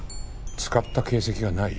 使った形跡がない？